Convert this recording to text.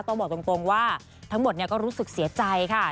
บอกตรงว่าทั้งหมดก็รู้สึกเสียใจค่ะ